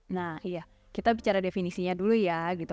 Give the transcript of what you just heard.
nah iya kita bicara definisinya dulu ya gitu